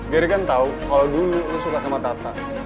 gary kan tau kalo dulu lo suka sama tata